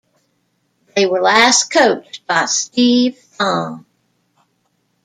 They were last coached by Steve Thonn.